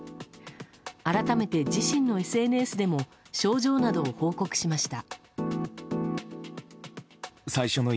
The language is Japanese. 改めて自身のＳＮＳでも症状などを報告しました。